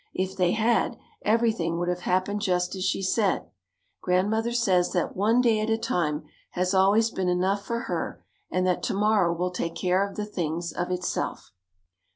If they had, everything would have happened just as she said. Grandmother says that one day at a time has always been enough for her and that to morrow will take care of the things of itself.